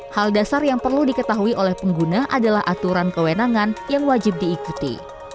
hal dasar yang perlu diketahui oleh pengguna adalah aturan kewenangan yang wajib diikuti